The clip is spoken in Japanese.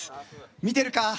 見てるか！